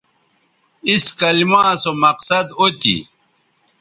اِس کلما سو مقصد او تھی